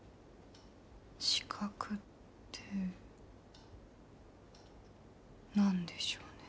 資格って何でしょうね。